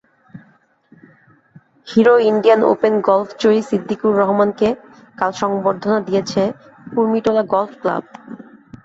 Hero Indian Open গলফজয়ী সিদ্দিকুর রহমানকে কাল সংবর্ধনা দিয়েছে কুর্মিটোলা গলফ ক্লাব।